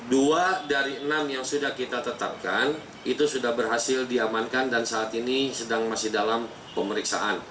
dua dari enam yang sudah kita tetapkan itu sudah berhasil diamankan dan saat ini masih dalam pemeriksaan